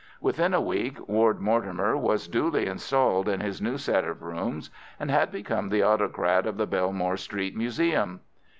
Within a week, Ward Mortimer was duly installed in his new set of rooms, and had become the autocrat of the Belmore Street Museum.